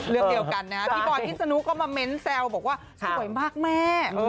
เรื่องเดียวกันนะพี่บอยพิษนุก็มาเม้นแซวบอกว่าสวยมากแม่